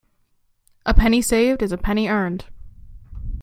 A penny saved is a penny earned.